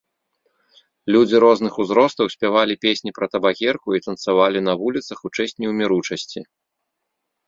Людзі розных узростаў спявалі песні пра табакерку і танцавалі на вуліцах у чэсць неўміручасці.